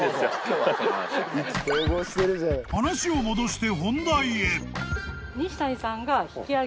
［話を戻して］